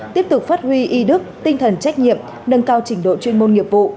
tiếp tục phát huy y đức tinh thần trách nhiệm nâng cao trình độ chuyên môn nghiệp vụ